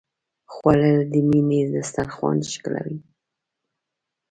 خوړل د مینې دسترخوان ښکلوي